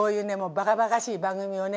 ばかばかしい番組をね